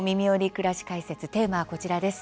くらし解説」テーマは、こちらです。